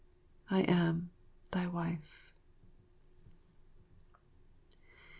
I am, Thy Wife.